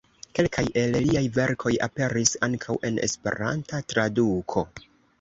Kelkaj el liaj verkoj aperis ankaŭ en Esperanta traduko.